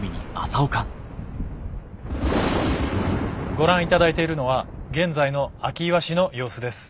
ご覧いただいているのは現在の明岩市の様子です。